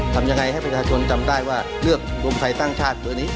ทำยังไงให้ประชาชนจำได้ว่าเลือกรวมไทยสร้างชาติตัวนี้